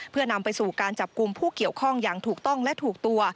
เพื่อนำไปสู่การจับกลุ่มผู้เกี่ยวข้องอย่างถูกต้องและถูกตัว